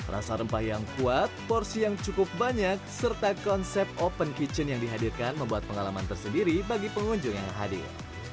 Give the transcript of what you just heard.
rasa rempah yang kuat porsi yang cukup banyak serta konsep open kitchen yang dihadirkan membuat pengalaman tersendiri bagi pengunjung yang hadir